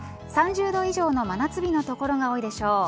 ３０度以上の真夏日の所が多いでしょう。